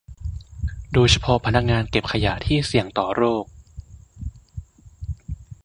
โดยเฉพาะพนักงานเก็บขยะที่เสี่ยงต่อโรค